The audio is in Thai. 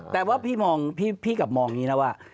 แต่ว่าพี่กลับมองนี้นะว่า